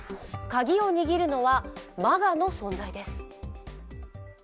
鍵を握るのは、ＭＡＧＡの存在です。